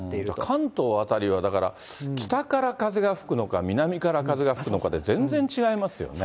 関東辺りは、だから、北から風が吹くのか、南から風が吹くのかで全然違いますよね。